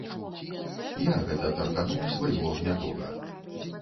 Я гэта таркануў свайго гнядога.